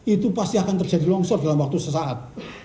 itu pasti akan terjadi longsor dalam waktu sesaat